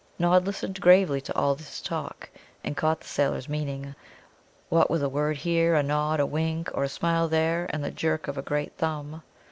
Nod listened gravely to all this talk, and caught the sailor's meaning, what with a word here, a nod, a wink, or a smile there, and the jerk of a great thumb.